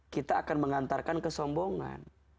kita akan mengantarkan kesombongan